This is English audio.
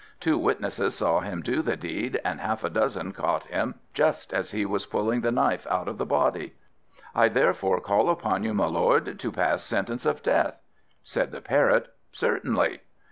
Two witnesses saw him do the deed, and half a dozen caught him just as he was pulling the knife out of the body. I therefore call upon you, my Lord, to pass sentence of death." Said the Parrot, "Certainly."